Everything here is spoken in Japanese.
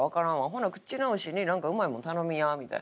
「ほな口直しになんかうまいもん頼みや」みたいな。